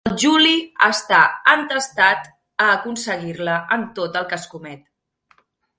El Juli està entestat a aconseguir-la en tot el que escomet.